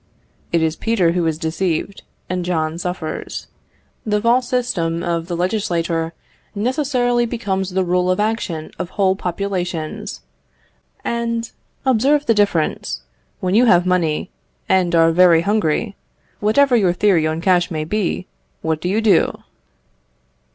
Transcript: It is Peter who is deceived, and John suffers; the false system of the legislator necessarily becomes the rule of action of whole populations. And observe the difference. When you have money, and are very hungry, whatever your theory on cash may be, what do you do?